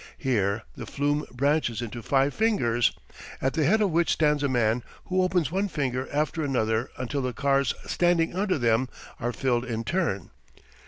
Here the flume branches into five "fingers," at the head of which stands a man who opens one finger after another, until the cars standing under them are filled in turn.